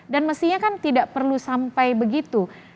dan mestinya kan tidak perlu sampai begitu